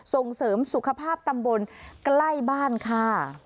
ส่งเสริมสุขภาพตำบลใกล้บ้านค่ะ